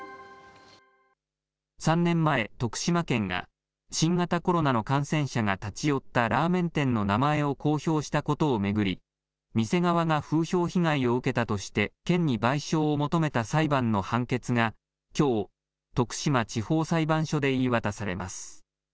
３年前、徳島県が、新型コロナの感染者が立ち寄ったラーメン店の名前を公表したことを巡り、店側が風評被害を受けたとして県に賠償を求めた裁判の判決がきょう、徳島地方裁判所で言い渡されます。